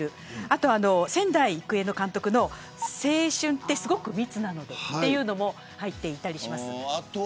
あとは、仙台育英の監督の青春って、すごく密なのでというのも入っています。